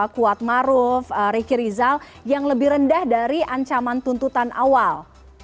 kuat maruf ricky rizal yang lebih rendah dari ancaman tuntutan awal